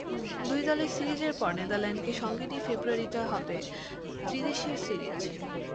দুই দলের সিরিজের পর নিউজিল্যান্ডকে সঙ্গে নিয়ে ফেব্রুয়ারিতে হবে ত্রিদেশীয় সিরিজ।